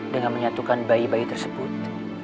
dengan menyatukan bayi bayi tersebut